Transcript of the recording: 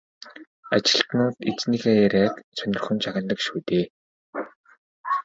Ажилтнууд эзнийхээ яриаг сонирхон чагнадаг шүү дээ.